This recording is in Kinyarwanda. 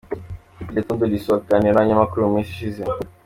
Depite Tundu Lisu aganira n’abanyamakuru mu minsi ishize